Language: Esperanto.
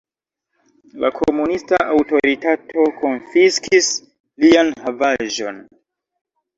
La komunista aŭtoritato konfiskis lian havaĵon.